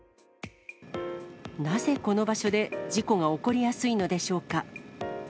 なぜこの場所で事故が起こりやすいのでしょうか。